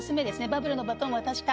バブルのバトン渡した。